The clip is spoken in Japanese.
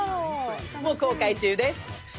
もう公開中です。